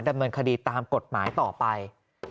ดำเนินคดีตามกฎหมายต่อไป